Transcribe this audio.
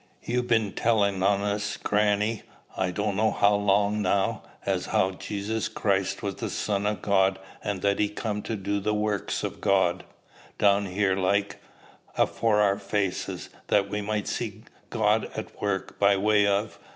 You been tellin' on us, grannie, I donno how long now, as how Jesus Christ was the Son of God, and that he come to do the works of God, down here like, afore our faces, that we might see God at work, by way of.